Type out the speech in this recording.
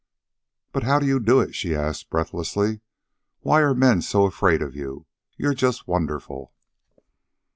"But how do you do it?" she asked breathlessly. "Why are men so afraid of you? You're just wonderful."